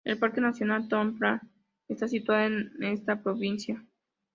El Parque Nacional Phong Nha-Ke Bang está situada en esta provincia.